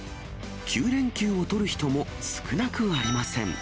９連休を取る人も少なくありません。